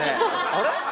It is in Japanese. あれ？